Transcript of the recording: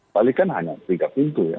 balik kan hanya tiga pintu ya